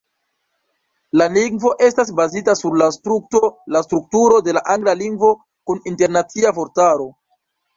La lingvo estas bazita sur la strukturo de la angla lingvo kun internacia vortaro.